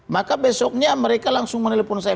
maka besoknya mereka langsung menelpon saya